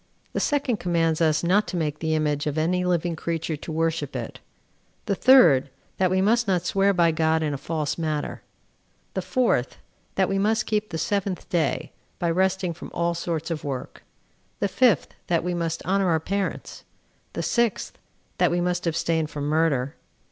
The second commands us not to make the image of any living creature to worship it. The third, that we must not swear by God in a false matter. The fourth, that we must keep the seventh day, by resting from all sorts of work. The fifth, that we must honor our parents. The sixth that we must abstain from murder.